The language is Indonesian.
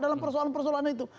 dalam persoalan persoalan itu